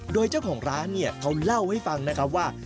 โดยเจ้าของร้านเนี่ยเขาเล่าให้ฟังนะครับว่า